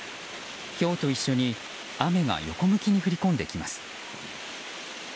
ひょうと一緒に雨が横向きに降り込んできます。